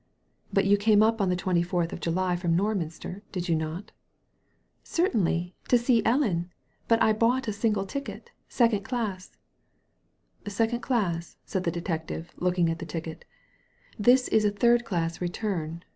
" But you came up on the twenty fourth of July from Norminster, did you not ?^ Certainly ; to see Ellea But I bought a single ticket, second class." ^ Second dass/' said the detective, looking at the ticket ; "this is a third class return.